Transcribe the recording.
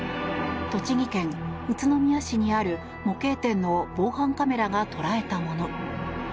栃木県宇都宮市にある模型店の防犯カメラが捉えたもの。